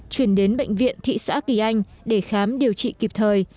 chuyển đến bệnh viện thị xã kỳ anh để khám điều trị kịp thời